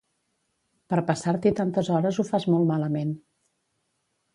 Per passar-t'hi tantes hores ho fas molt malament